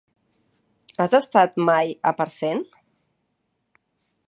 Has estat mai a Parcent?